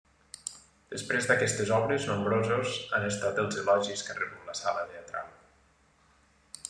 Després d'aquestes obres, nombrosos han estat els elogis que ha rebut la sala teatral.